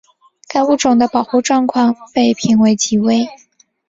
该物种的保护状况被评为极危。